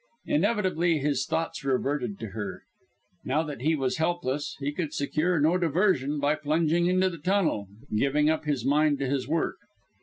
Inevitably his thoughts reverted to her. Now that he was helpless, he could secure no diversion by plunging into the tunnel, giving up his mind to his work.